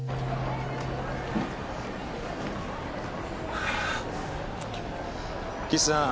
はぁ岸さん。